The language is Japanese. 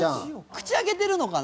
口開けてるのかな？